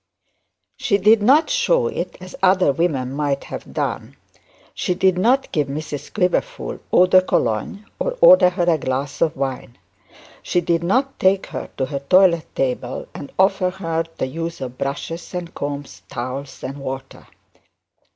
She did not show it as other women might have done. She did not give Mrs Quiverful eau de Cologne, or order her a glass of wine. She did not take her to her toilet table, and offer her the use of brushes and combs, towels and water.